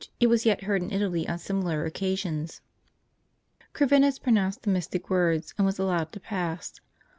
It is yet heard in Italy on similar occasions. Corvinus pronounced the mystic words, and was allowed to pass.